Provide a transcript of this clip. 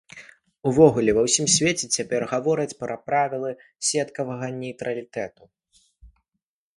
Увогуле ва ўсім свеце цяпер гавораць пра правілы сеткавага нейтралітэту.